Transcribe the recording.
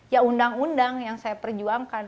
ya undang undang yang saya perjuangkan